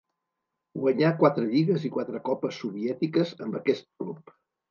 Guanyà quatre lligues i quatre copes soviètiques amb aquest club.